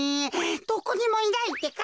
どこにもいないってか。